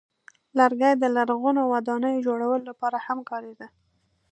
لرګی د لرغونو ودانیو جوړولو لپاره هم کارېده.